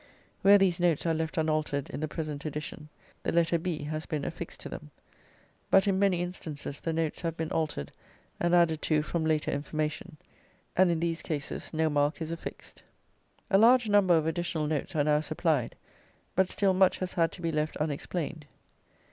Where these notes are left unaltered in the present edition the letter "B." has been affixed to them, but in many instances the notes have been altered and added to from later information, and in these cases no mark is affixed. A large number of additional notes are now supplied, but still much has had to be left unexplained.